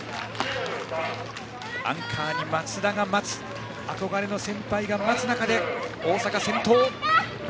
アンカーに松田が待つ憧れの先輩が待つ中、大阪が先頭。